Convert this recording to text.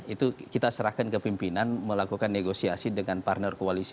itu kita serahkan ke pimpinan melakukan negosiasi dengan partner koalisi